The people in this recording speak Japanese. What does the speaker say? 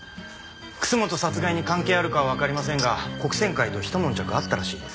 楠本殺害に関係あるかわかりませんが黒扇会とひと悶着あったらしいです。